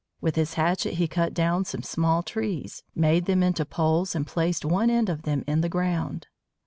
With his hatchet he cut down some small trees, made them into poles, and placed one end of them in the ground.